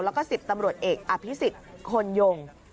แล้วก็๑๐ตำรวจเอกอภิษฎคนยง